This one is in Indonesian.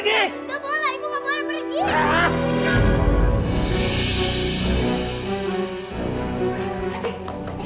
nggak boleh ibu nggak boleh pergi